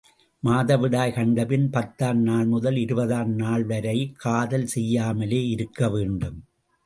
மாதவிடாய் கண்டபின் பத்தாம் நாள் முதல் இருபதாம் நாள்வரை காதல் செய்யாமல் இருக்க வேண்டும்.